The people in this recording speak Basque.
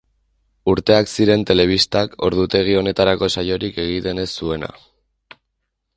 Urteak ziren Euskal Telebistak ordutegi honetarako saiorik egiten ez zuena.